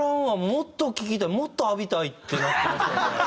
もっと聴きたいもっと浴びたいってなってますよね。